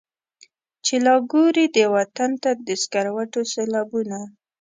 چي لا ګوري دې وطن ته د سکروټو سېلابونه.